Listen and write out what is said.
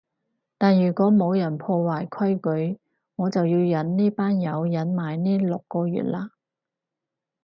但如果冇人破壞規矩，我就要忍呢班友忍埋呢六個月喇